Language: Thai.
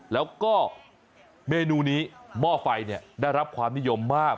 แล้วก็เมนูนี้หม้อไฟได้รับความนิยมมาก